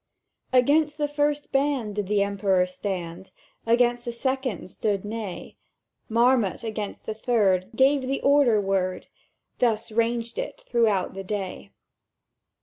"Against the first band did the Emperor stand; Against the second stood Ney; Marmont against the third gave the order word: —Thus raged it throughout the day.